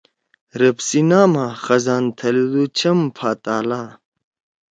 رب سی نامہ خزان تھلدُو چھم پھا تالہ